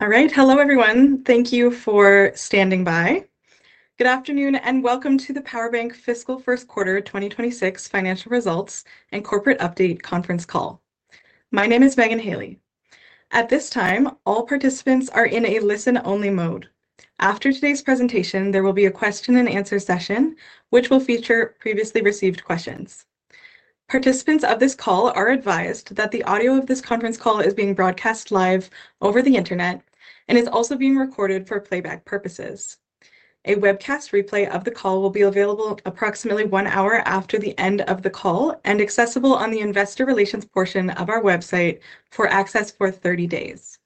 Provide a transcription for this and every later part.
All right, hello everyone. Thank you for standing by. Good afternoon and welcome to the PowerBank Fiscal First Quarter 2026 Financial Results and Corporate Update Conference Call. My name is Megan Haley. At this time, all participants are in a listen-only mode. After today's presentation, there will be a question-and-answer session, which will feature previously received questions. Participants of this call are advised that the audio of this conference call is being broadcast live over the Internet and is also being recorded for playback purposes. A webcast replay of the call will be available approximately one hour after the end of the call and accessible on the investor relations portion of our website for access for 30 days.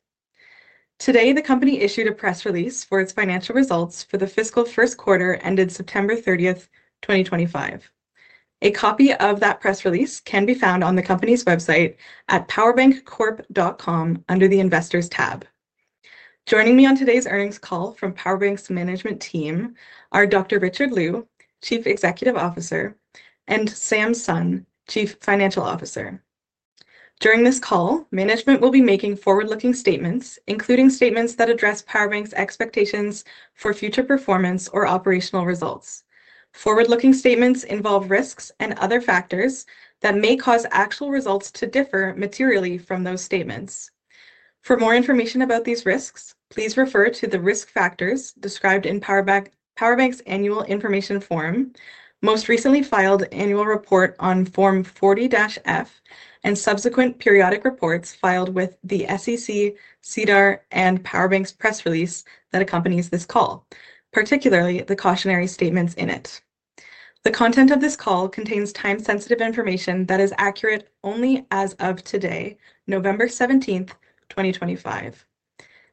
Today, the company issued a press release for its financial results for the fiscal first quarter ended September 30, 2025. A copy of that press release can be found on the company's website at powerbankcorp.com under the Investors tab. Joining me on today's earnings call from PowerBank's management team are Dr. Richard Liu, Chief Executive Officer, and Sam Sun, Chief Financial Officer. During this call, management will be making forward-looking statements, including statements that address PowerBank's expectations for future performance or operational results. Forward-looking statements involve risks and other factors that may cause actual results to differ materially from those statements. For more information about these risks, please refer to the risk factors described in PowerBank's annual information form, most recently filed annual report on Form 40-F, and subsequent periodic reports filed with the SEC, SEDAR, and PowerBank's press release that accompanies this call, particularly the cautionary statements in it. The content of this call contains time-sensitive information that is accurate only as of today, November 17th, 2025.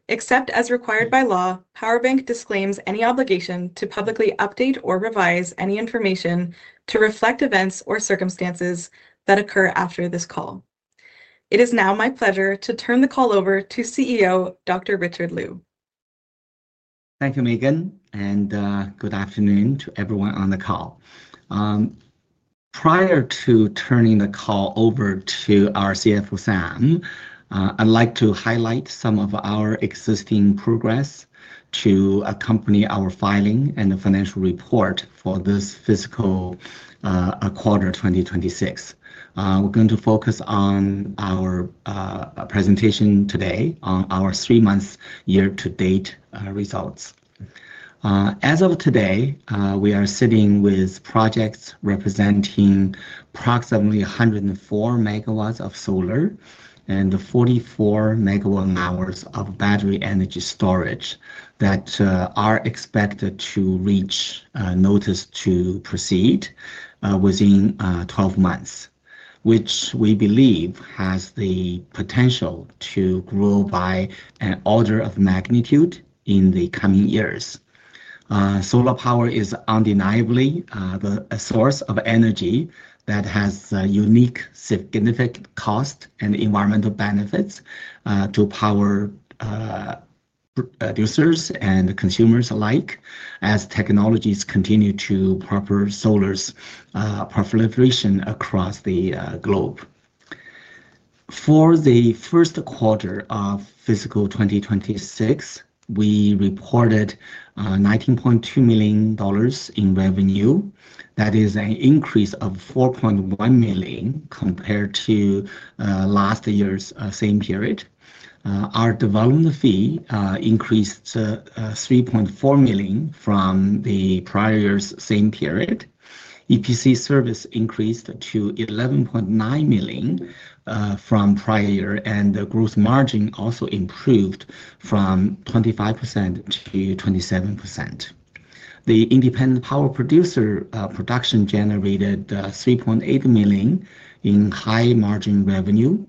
Except as required by law, PowerBank disclaims any obligation to publicly update or revise any information to reflect events or circumstances that occur after this call. It is now my pleasure to turn the call over to CEO Dr. Richard Liu. Thank you, Megan, and good afternoon to everyone on the call. Prior to turning the call over to our CFO, Sam, I'd like to highlight some of our existing progress to accompany our filing and the financial report for this fiscal quarter 2026. We're going to focus on our presentation today on our three-month year-to-date results. As of today, we are sitting with projects representing approximately 104 MW of solar and 44 MWh of battery energy storage that are expected to reach notice to proceed within 12 months, which we believe has the potential to grow by an order of magnitude in the coming years. Solar power is undeniably the source of energy that has unique significant cost and environmental benefits to power producers and consumers alike as technologies continue to propel solar's proliferation across the globe. For the first quarter of fiscal 2026, we reported $19.2 million in revenue. That is an increase of $4.1 million compared to last year's same period. Our development fee increased $3.4 million from the prior year's same period. EPC service increased to $11.9 million from prior year, and the gross margin also improved from 25%–27%. The independent power producer production generated $3.8 million in high margin revenue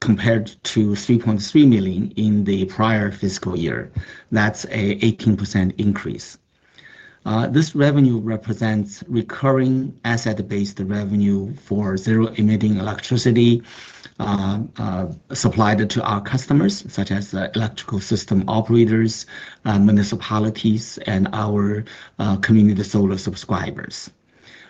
compared to $3.3 million in the prior fiscal year. That's an 18% increase. This revenue represents recurring asset-based revenue for zero-emitting electricity supplied to our customers, such as electrical system operators, municipalities, and our community solar subscribers.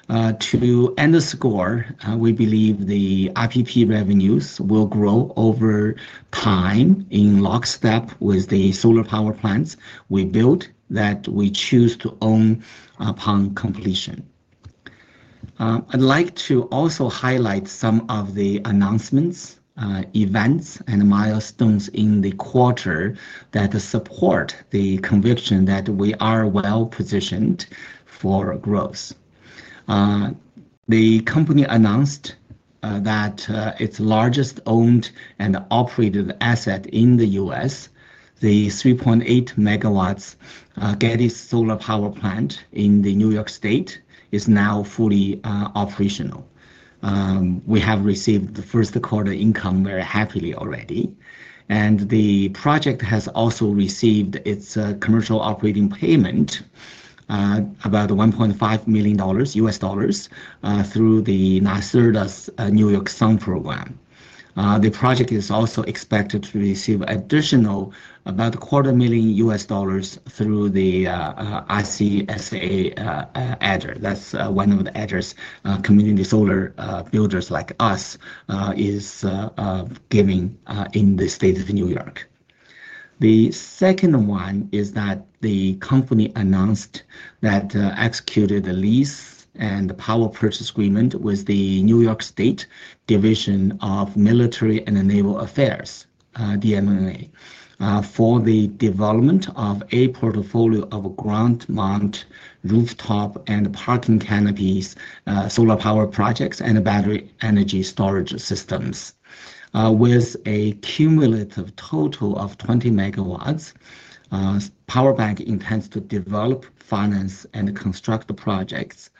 To underscore, we believe the IPP revenues will grow over time in lockstep with the solar power plants we built that we choose to own upon completion. I'd like to also highlight some of the announcements, events, and milestones in the quarter that support the conviction that we are well positioned for growth. The company announced that its largest owned and operated asset in the U.S., the 3.8 MW Getty Solar Power Plant in New York State, is now fully operational. We have received the first quarter income very happily already, and the project has also received its commercial operating payment, about $1.5 million through NYSERDA's NY- Sun program. The project is also expected to receive additional about a quarter million dollars through the ICA adder. That's one of the adders community solar builders like us is given in the state of New York. The second one is that the company announced that it executed the lease and the power purchase agreement with the New York State Division of Military and Naval Affairs, the DMNA, for the development of a portfolio of ground mount, rooftop, and parking canopies solar power projects and battery energy storage systems. With a cumulative total of 20 megawatts, PowerBank intends to develop, finance, and construct the projects,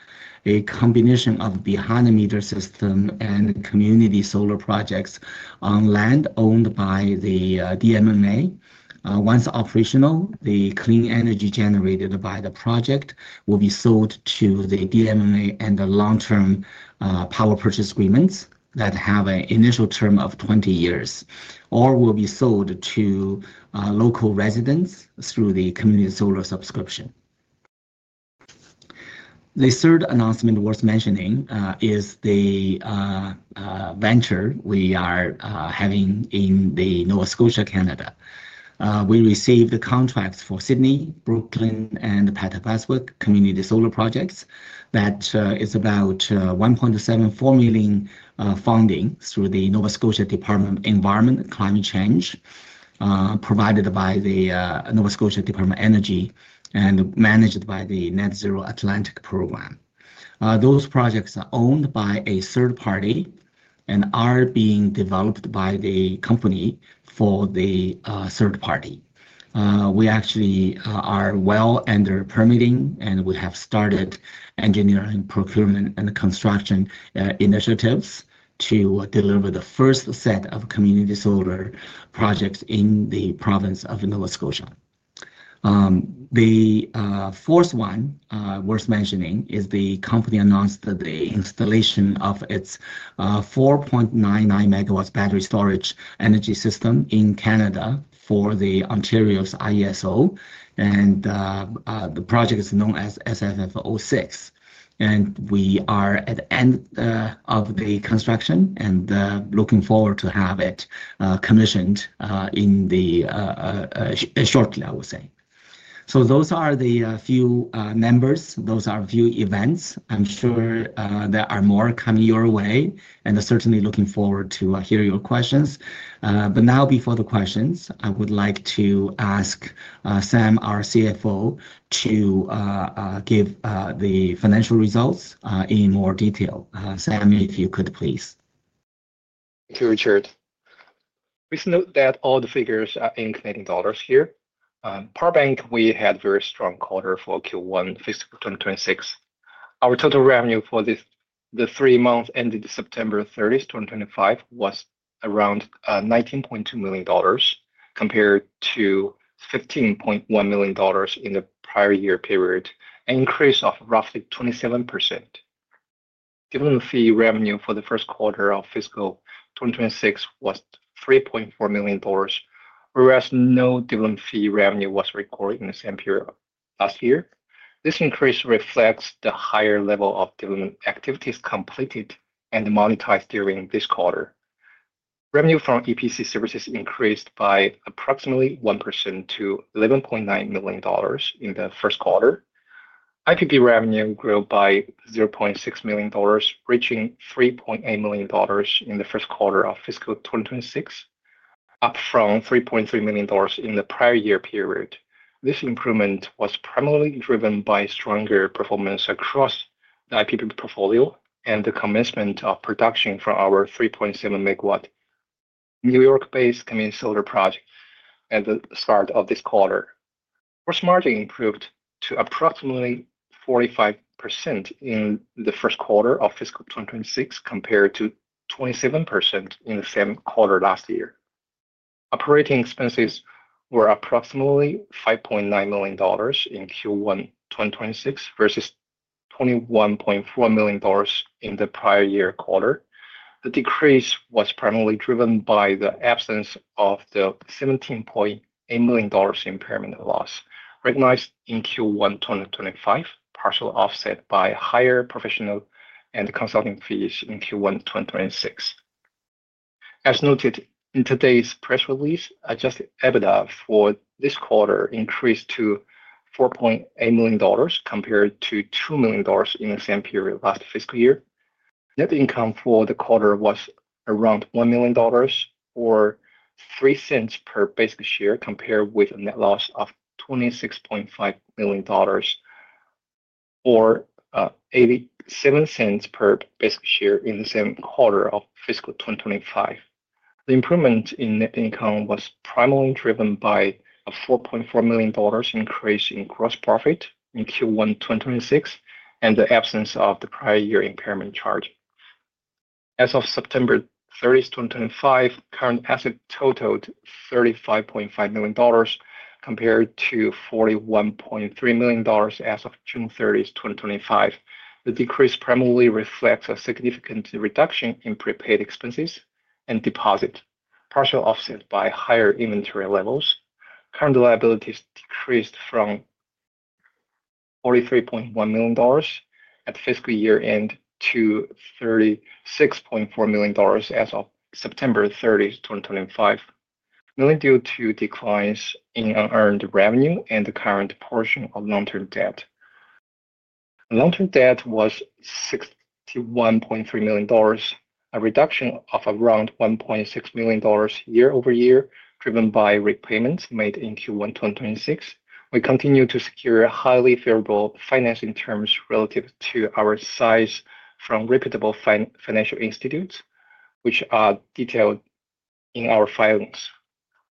a combination of behind-the-meter system and community solar projects on land owned by the DMNA. Once operational, the clean energy generated by the project will be sold to the DMNA and the long-term power purchase agreements that have an initial term of 20 years or will be sold to local residents through the community solar subscription. The third announcement worth mentioning is the venture we are having in Nova Scotia, Canada. We received the contracts for Sydney, Brooklyn, and Path of Westwook community solar projects that is about 1.74 million funding through the Nova Scotia Department of Environment and Climate Change, provided by the Nova Scotia Department of Energy and managed by the Net Zero Atlantic Program. Those projects are owned by a third party and are being developed by the company for the third party. We actually are well under permitting, and we have started engineering, procurement, and construction initiatives to deliver the first set of community solar projects in the province of Nova Scotia. The fourth one worth mentioning is the company announced the installation of its 4.99 MW battery energy storage system in Canada for Ontario's IESO, and the project is known as SFF06. We are at the end of the construction and looking forward to have it commissioned shortly, I would say. Those are the few numbers. Those are a few events. I'm sure there are more coming your way, and I'm certainly looking forward to hearing your questions. Now, before the questions, I would like to ask Sam, our CFO, to give the financial results in more detail. Sam, if you could, please. Thank you, Richard. Please note that all the figures are in CAD here. PowerBank, we had a very strong quarter for Q1 fiscal 2026. Our total revenue for the three months ended September 30th, 2025, was around 19.2 million dollars compared to 15.1 million dollars in the prior year period, an increase of roughly 27%. Development fee revenue for the first quarter of fiscal 2026 was 3.4 million dollars, whereas no development fee revenue was recorded in the same period last year. This increase reflects the higher level of development activities completed and monetized during this quarter. Revenue from EPC services increased by approximately 1% to 11.9 million dollars in the first quarter. IPP revenue grew by 0.6 million dollars, reaching 3.8 million dollars in the first quarter of fiscal 2026, up from 3.3 million dollars in the prior year period. This improvement was primarily driven by stronger performance across the IPP portfolio and the commencement of production from our 3.8 MW New York-based community solar project at the start of this quarter. Gross margin improved to approximately 45% in the first quarter of fiscal 2026 compared to 27% in the same quarter last year. Operating expenses were approximately 5.9 million dollars in Q1 2026 versus 21.4 million dollars in the prior year quarter. The decrease was primarily driven by the absence of the 17.8 million dollars impairment loss recognized in Q1 2025, partially offset by higher professional and consulting fees in Q1 2026. As noted in today's press release, adjusted EBITDA for this quarter increased to 4.8 million dollars compared to 2 million dollars in the same period last fiscal year. Net income for the quarter was around $1 million or $0.03 per basic share compared with a net loss of $26.5 million or $0.87 per basic share in the same quarter of fiscal 2025. The improvement in net income was primarily driven by a $4.4 million increase in gross profit in Q1 2026 and the absence of the prior year impairment charge. As of September 30, 2025, current assets totaled $35.5 million compared to $41.3 million as of June 30, 2025. The decrease primarily reflects a significant reduction in prepaid expenses and deposit, partially offset by higher inventory levels. Current liabilities decreased from $43.1 million at fiscal year end to $36.4 million as of September 30, 2025, mainly due to declines in unearned revenue and the current portion of long-term debt. Long-term debt was $61.3 million, a reduction of around $1.6 million year-over-year driven by repayments made in Q1 2026. We continue to secure highly favorable financing terms relative to our size from reputable financial institutes, which are detailed in our filings.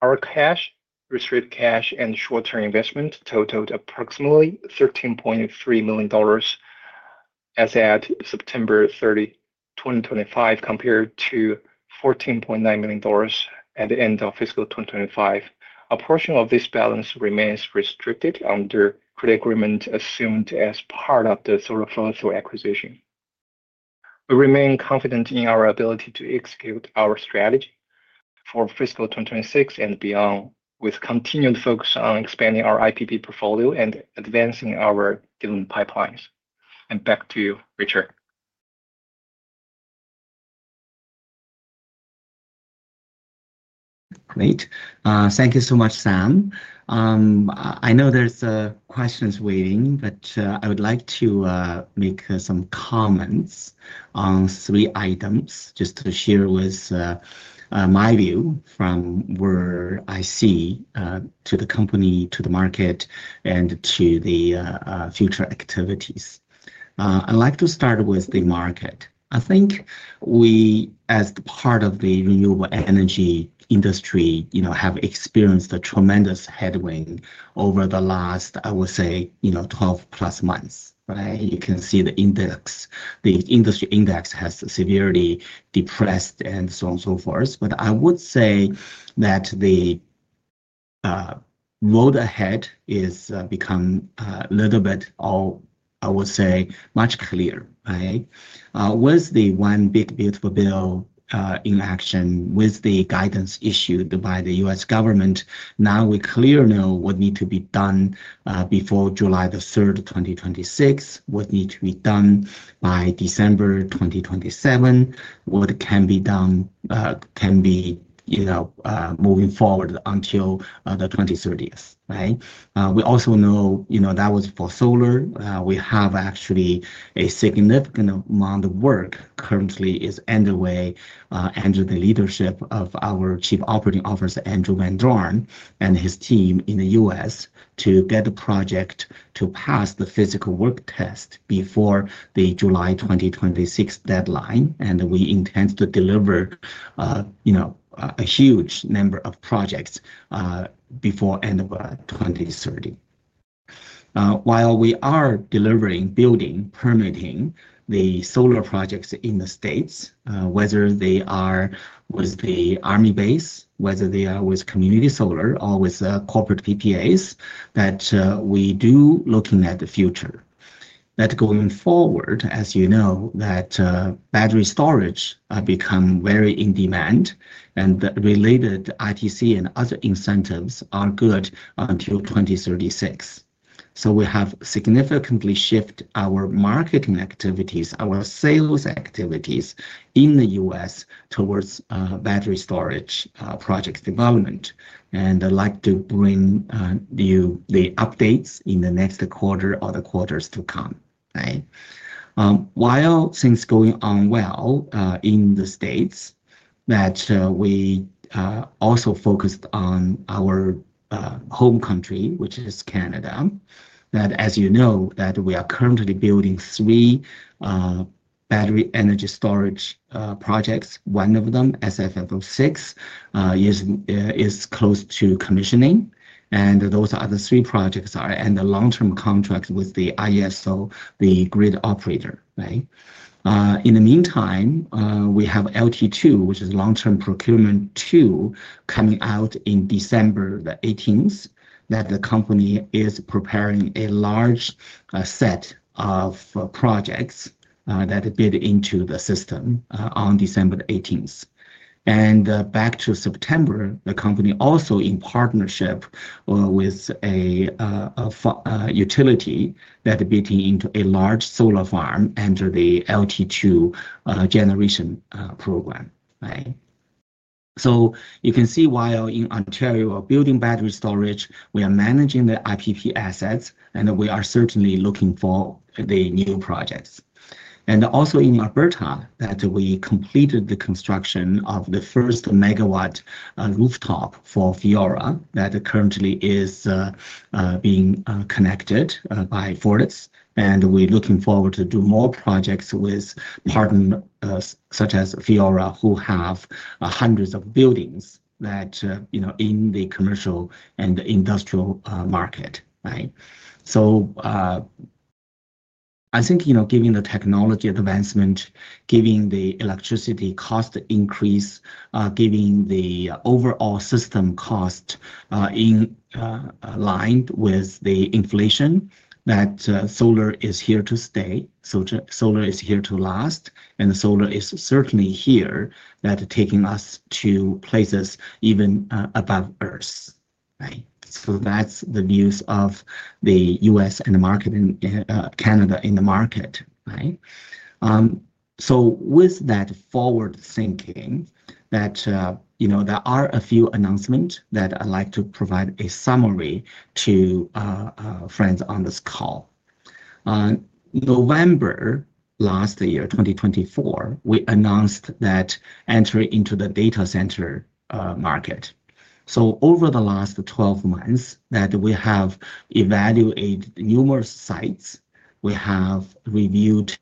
Our cash, receipt cash, and short-term investment totaled approximately $13.3 million as at September 30, 2025, compared to $14.9 million at the end of fiscal 2025. A portion of this balance remains restricted under credit agreement assumed as part of the Solar Flow-Through Funds acquisition. We remain confident in our ability to execute our strategy for fiscal 2026 and beyond with continued focus on expanding our IPP portfolio and advancing our development pipelines. Back to you, Richard. Great. Thank you so much, Sam. I know there's questions waiting, but I would like to make some comments on three items just to share with my view from where I see to the company, to the market, and to the future activities. I'd like to start with the market. I think we, as part of the renewable energy industry, have experienced a tremendous headwind over the last, I would say, 12-plus months. You can see the industry index has severely depressed and so on and so forth. I would say that the road ahead has become a little bit, I would say, much clearer. With the one big beautiful bill in action, with the guidance issued by the U.S. government, now we clearly know what needs to be done before July 3, 2026, what needs to be done by December 2027, what can be done can be moving forward until the 2030s. We also know that was for solar. We have actually a significant amount of work currently underway under the leadership of our Chief Operating Officer, Andrew VanDorn, and his team in the U.S. to get the project to pass the physical work test before the July 2026 deadline. We intend to deliver a huge number of projects before the end of 2030. While we are delivering, building, permitting the solar projects in the States, whether they are with the Army base, whether they are with community solar or with corporate PPAs, that we do looking at the future. That going forward, as you know, that battery storage has become very in demand, and related ITC and other incentives are good until 2036. We have significantly shifted our marketing activities, our sales activities in the U.S. towards battery storage project development. I'd like to bring you the updates in the next quarter or the quarters to come. While things are going on well in the States, we also focused on our home country, which is Canada, that as you know, we are currently building three battery energy storage projects. One of them, SFF06, is close to commissioning. Those other three projects are in the Long-Term Contract with the IESO, the grid operator. In the meantime, we have LT2, which is long-term procurement 2, coming out on December the 18th, that the company is preparing a large set of projects that are built into the system on December the 18th. Back to September, the company also in partnership with a utility that is building into a large solar farm under the LT2 generation program. You can see while in Ontario, building battery storage, we are managing the IPP assets, and we are certainly looking for the new projects. Also in Alberta, we completed the construction of the first megawatt rooftop for Fiera that currently is being connected by Fortis. We are looking forward to doing more projects with partners such as Fiera, who have hundreds of buildings in the commercial and the industrial market. I think given the technology advancement, given the electricity cost increase, given the overall system cost in line with the inflation, that solar is here to stay. Solar is here to last, and solar is certainly here that is taking us to places even above Earth. That is the views of the U.S. and the market in Canada in the market. With that forward thinking, there are a few announcements that I'd like to provide a summary to friends on this call. November last year, 2024, we announced that entry into the data center market. Over the last 12 months, we have evaluated numerous sites. We have reviewed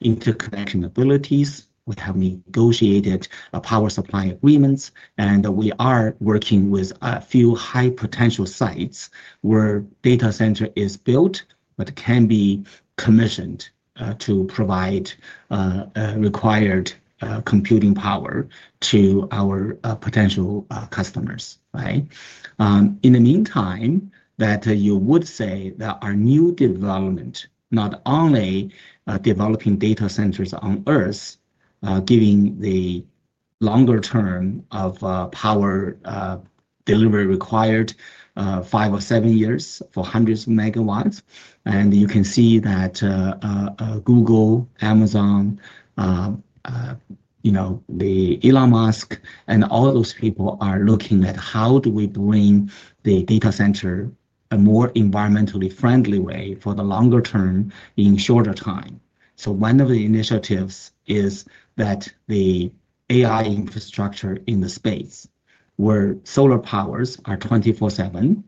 interconnection abilities. We have negotiated power supply agreements, and we are working with a few high-potential sites where data centre is built, but can be commissioned to provide required computing power to our potential customers. In the meantime, you would say that our new development, not only developing data centers on Earth, giving the longer term of power delivery required five or seven years for hundreds of megawatts. You can see that Google, Amazon, the Elon Musk, and all those people are looking at how do we bring the data center a more environmentally friendly way for the longer term in shorter time. One of the initiatives is that the AI infrastructure in the space where solar powers are 24/7,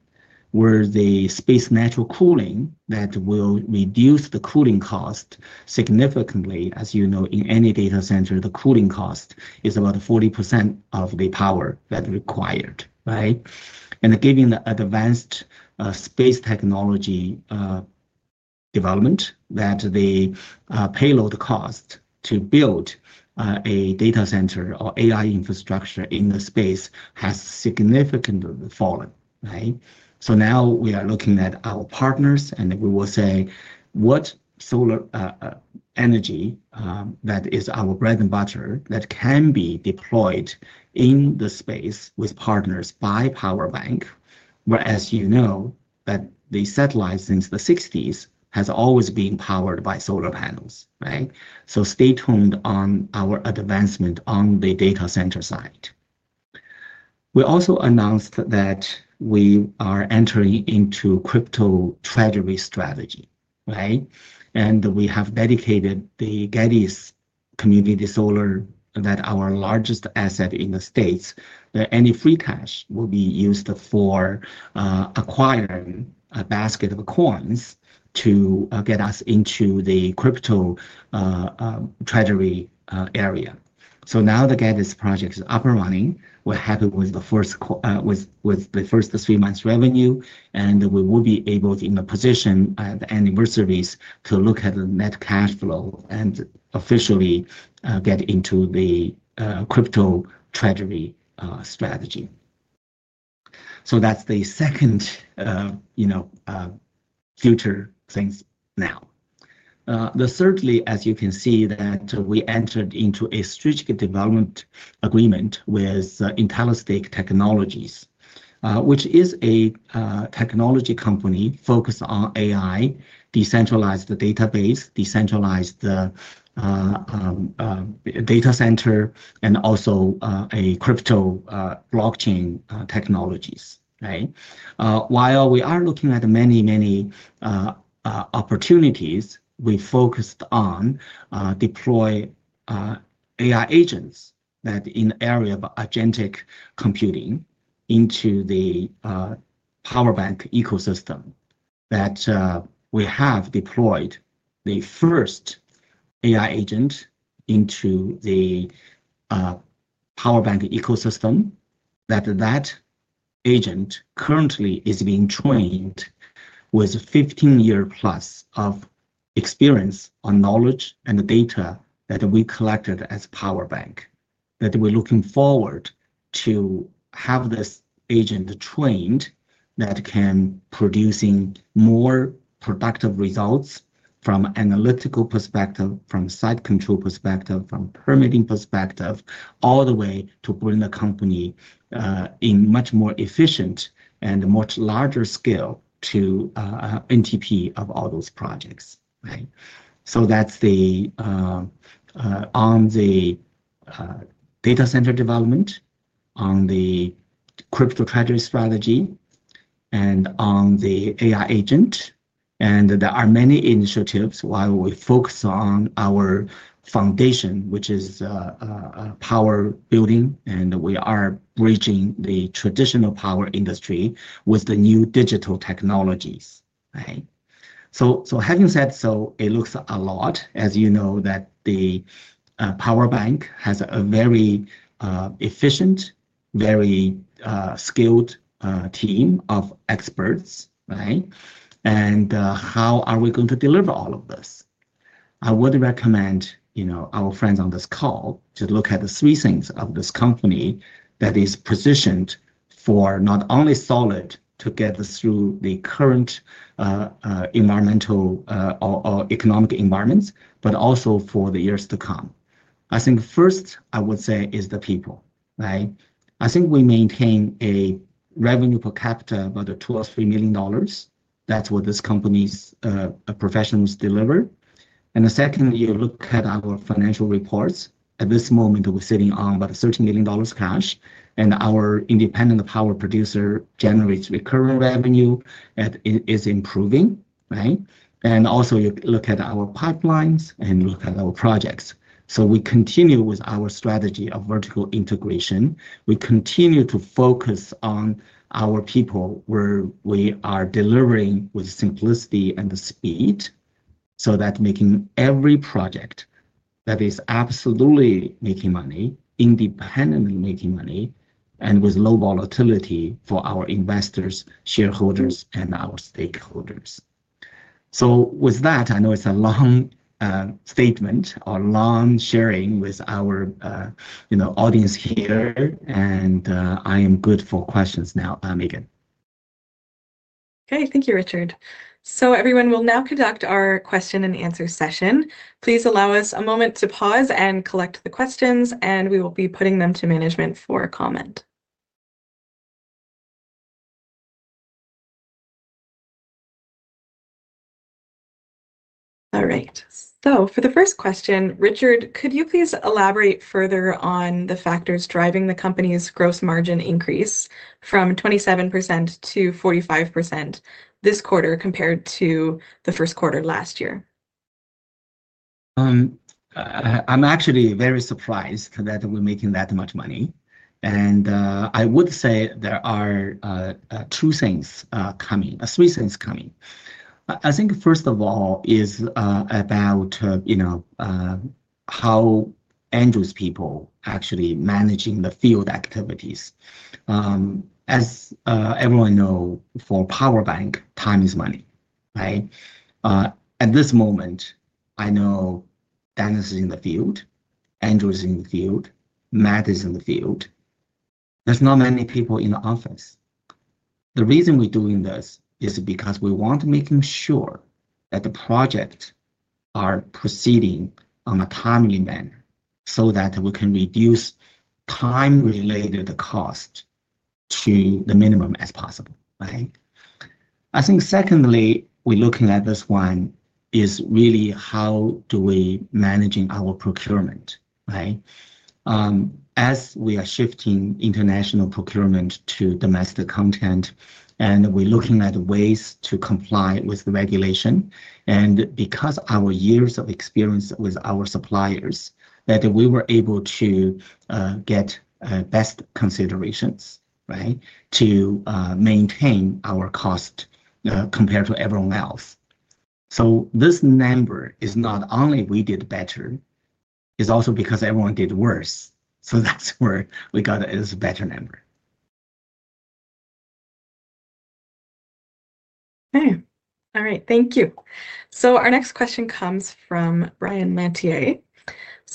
where the space natural cooling that will reduce the cooling cost significantly. As you know, in any data center, the cooling cost is about 40% of the power that's required. Given the advanced space technology development, the payload cost to build a data center or AI infrastructure in the space has significantly fallen. Now we are looking at our partners, and we will say that solar energy is our bread and butter that can be deployed in the space with partners by PowerBank, whereas you know that the satellite since the 1960s has always been powered by solar panels. Stay tuned on our advancement on the data center side. We also announced that we are entering into Crypto Treasury Strategy. We have dedicated the Getty Solar Power Plant, our largest asset in the States, that any free cash will be used for acquiring a basket of coins to get us into the crypto treasury area. Now the Getty project is up and running. We are happy with the first three months' revenue, and we will be able to, in the position at the anniversaries, look at the net cash flow and officially get into the Crypto Treasury Strategy. That is the second future things now. Thirdly, as you can see, we entered into a strategic development agreement with Intellistic Technologies, which is a technology company focused on AI, decentralized database, decentralized data center, and also crypto blockchain technologies. While we are looking at many, many opportunities, we focused on deploying AI agents in the area of Agentic Computing into the PowerBank ecosystem. We have deployed the first AI agent into the PowerBank ecosystem. That agent currently is being trained with 15 years plus of experience on knowledge and data that we collected as PowerBank. We are looking forward to have this agent trained that can produce more productive results from an analytical perspective, from site control perspective, from permitting perspective, all the way to bring the company in much more efficient and much larger scale to NTP of all those projects. That is on the data center development, on the Crypto Treasury Strategy, and on the AI agent. There are many initiatives while we focus on our foundation, which is power building, and we are bridging the traditional power industry with the new digital technologies. Having said that, it looks a lot, as you know, that PowerBank has a very efficient, very skilled team of experts. How are we going to deliver all of this? I would recommend our friends on this call to look at the three things of this company that is positioned for not only solid to get through the current environmental or economic environments, but also for the years to come. I think first, I would say, is the people. I think we maintain a revenue per capita of about $2 million or $3 million. That is what this company's professionals deliver. The second, you look at our financial reports. At this moment, we're sitting on about $30 million cash, and our independent power producer generates recurring revenue that is improving. You look at our pipelines and look at our projects. We continue with our strategy of vertical integration. We continue to focus on our people where we are delivering with simplicity and the speed. That is making every project that is absolutely making money, independently making money, and with low volatility for our investors, shareholders, and our stakeholders. With that, I know it's a long statement or long sharing with our audience here, and I am good for questions now, Megan. Okay. Thank you, Richard. Everyone, we'll now conduct our question and answer session. Please allow us a moment to pause and collect the questions, and we will be putting them to management for comment. All right. For the first question, Richard, could you please elaborate further on the factors driving the company's gross margin increase from 27%–45% this quarter compared to the first quarter last year? I'm actually very surprised that we're making that much money. I would say there are two things coming, three things coming. I think first of all is about how Andrew's people actually managing the field activities. As everyone knows, for PowerBank, time is money. At this moment, I know Dennis is in the field. Andrew is in the field. Matt is in the field. There's not many people in the office. The reason we're doing this is because we want to make sure that the projects are proceeding on a timely manner so that we can reduce time-related cost to the minimum as possible. I think secondly, we're looking at this one is really how do we manage our procurement. As we are shifting international procurement to domestic content, and we're looking at ways to comply with regulation. And because of our years of experience with our suppliers, that we were able to get best considerations to maintain our cost compared to everyone else. So this number is not only we did better, it's also because everyone did worse. That's where we got a better number. Okay. All right. Thank you. Our next question comes from Brian Mantier.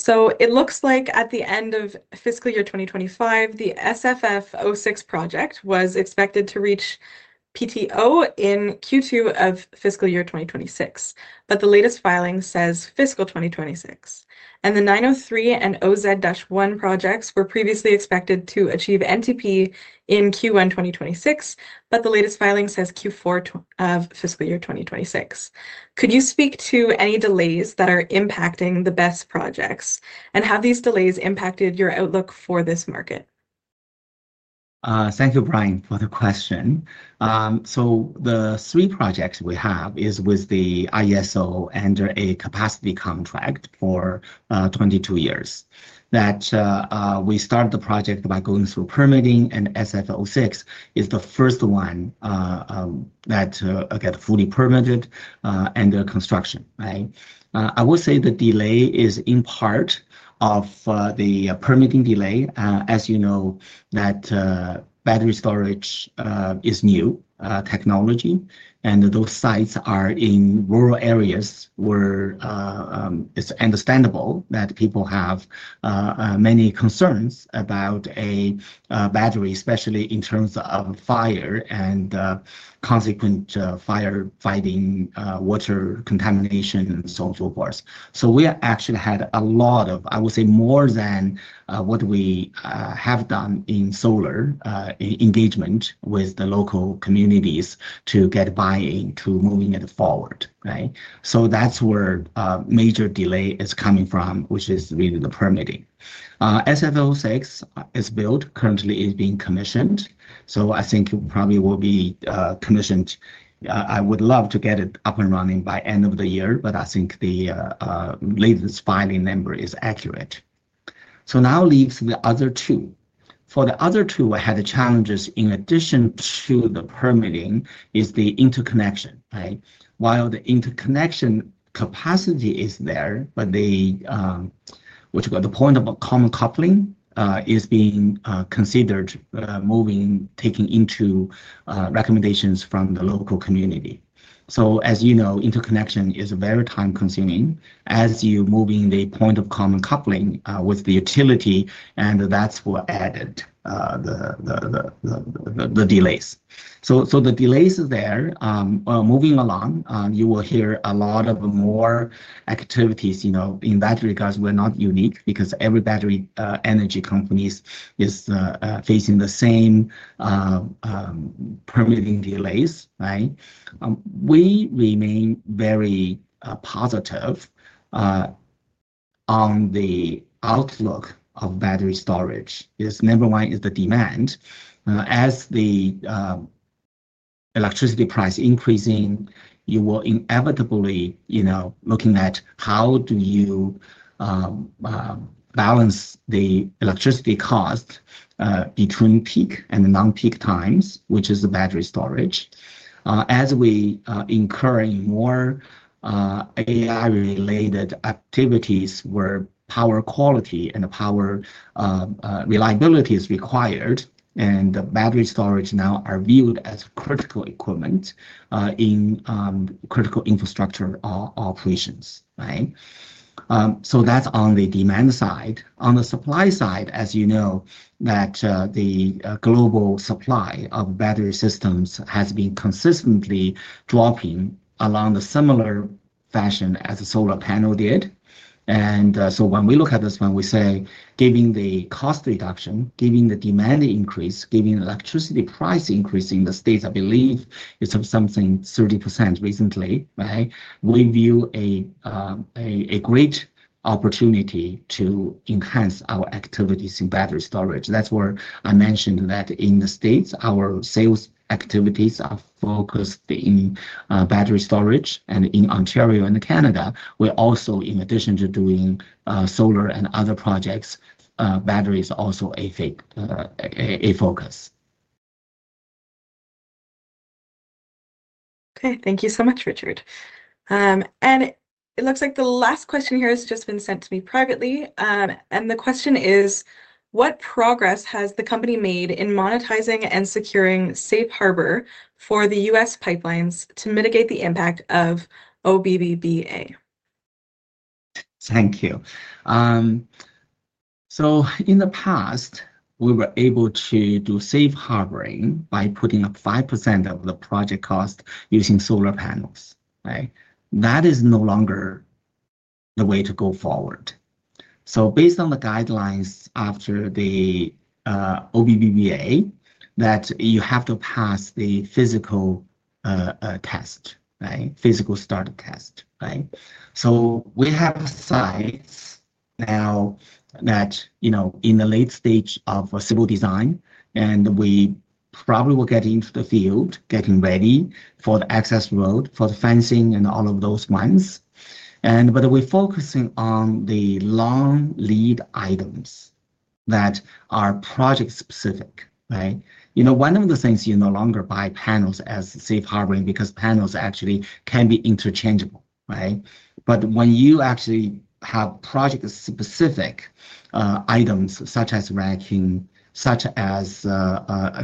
It looks like at the end of fiscal year 2025, the SFF06 project was expected to reach PTO in Q2 of fiscal year 2026. The latest filing says fiscal 2026. The 903 and OZ-1 projects were previously expected to achieve NTP in Q1 2026, but the latest filing says Q4 of fiscal year 2026. Could you speak to any delays that are impacting the best projects? Have these delays impacted your outlook for this market? Thank you, Brian, for the question. The three projects we have is with the ISO under a capacity contract for 22 years. We started the project by going through permitting, and SFF06 is the first one that got fully permitted under construction. I would say the delay is in part of the permitting delay. As you know, battery storage is new technology, and those sites are in rural areas where it is understandable that people have many concerns about a battery, especially in terms of fire and consequent firefighting, water contamination, and so on and so forth. We actually had a lot of, I would say, more than what we have done in solar engagement with the local communities to get buy-in to moving it forward. That is where the major delay is coming from, which is really the permitting. SFF06 is built. Currently, it is being commissioned. I think it probably will be commissioned. I would love to get it up and running by end of the year, but I think the latest filing number is accurate. That now leaves the other two. For the other two, I had challenges in addition to the permitting, which is the interconnection. While the interconnection capacity is there, the point of common coupling is being considered for moving, taking into recommendations from the local community. As you know, interconnection is very time-consuming as you are moving the point of common coupling with the utility, and that is what added the delays. The delays are there. Moving along, you will hear a lot more activities in that regard. We are not unique because every battery energy company is facing the same permitting delays. We remain very positive on the outlook of battery storage. Number one is the demand. As the electricity price is increasing, you will inevitably be looking at how you balance the electricity cost between peak and non-peak times, which is the battery storage. As we incur more AI-related activities where power quality and power reliability is required, the battery storage now is viewed as critical equipment in critical infrastructure operations. That is on the demand side. On the supply side, as you know, the global supply of battery systems has been consistently dropping along the similar fashion as the solar panel did. When we look at this one, we say, given the cost reduction, given the demand increase, given electricity price increase in the States, I believe it is something 30% recently, we view a great opportunity to enhance our activities in battery storage. That is where I mentioned that in the States, our sales activities are focused in battery storage. In Ontario and Canada, we also, in addition to doing solar and other projects, battery is also a focus. Okay. Thank you so much, Richard. It looks like the last question here has just been sent to me privately. The question is, what progress has the company made in monetizing and securing safe harbor for the US pipelines to mitigate the impact of OBBBA? Thank you. In the past, we were able to do safe harboring by putting up 5% of the project cost using solar panels. That is no longer the way to go forward. Based on the guidelines after the OBBBA, you have to pass the physical test, physical start test. We have sites now that are in the late stage of civil design, and we probably will get into the field, getting ready for the access road, for the fencing and all of those ones. We are focusing on the long lead items that are project-specific. One of the things is you no longer buy panels as safe harboring because panels actually can be interchangeable. When you actually have project-specific items such as racking, such as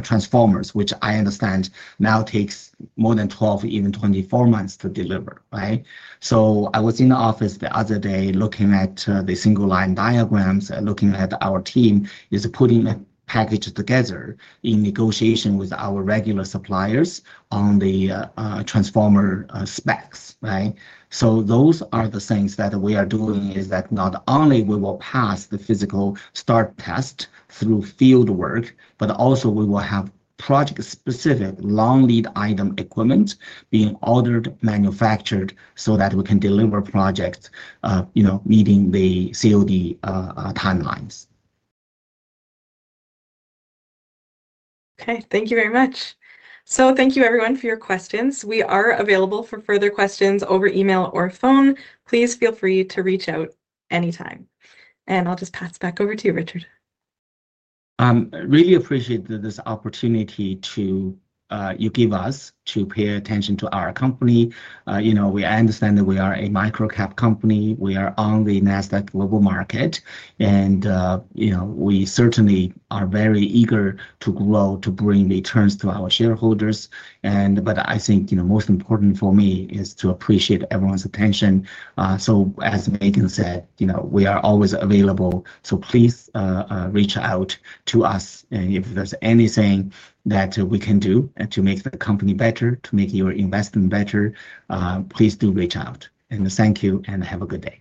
transformers, which I understand now takes more than 12, even 24 months to deliver. I was in the office the other day looking at the single line diagrams, looking at our team putting a package together in negotiation with our regular suppliers on the transformer specs. Those are the things that we are doing, that not only will we pass the physical start test through field work, but also we will have project-specific long lead item equipment being ordered, manufactured so that we can deliver projects meeting the COD timelines. Okay. Thank you very much. Thank you, everyone, for your questions. We are available for further questions over email or phone. Please feel free to reach out anytime. I'll just pass back over to you, Richard. I really appreciate this opportunity you give us to pay attention to our company. We understand that we are a microcap company. We are on the Nasdaq Global Market, and we certainly are very eager to grow, to bring returns to our shareholders. I think most important for me is to appreciate everyone's attention. As Megan said, we are always available. Please reach out to us if there's anything that we can do to make the company better, to make your investment better. Please do reach out. Thank you and have a good day.